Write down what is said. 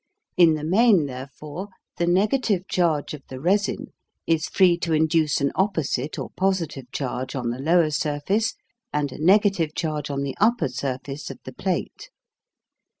In the main, therefore, the negative charge of the resin is free to induce an opposite or positive charge on the lower surface and a negative charge on the upper surface of the plate.